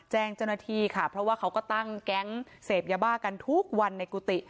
แจ้งเจ้าหน้าที่ค่ะเพราะว่าเขาก็ตั้งแก๊งเสพยาบ้ากันทุกวันในกุฏิ